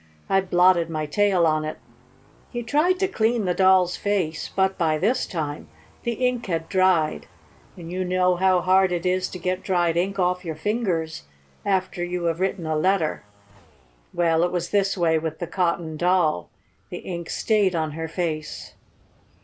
I blotted my tail on it." He tried to clean the Doll's face, but, by this time, the ink had dried, and you know how hard it is to get dried ink off your fingers after you have written a letter. Well, it was this way with the Cotton Doll. The ink stayed on her face.